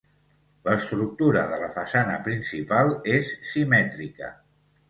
L'estructura de la façana principal és simètrica.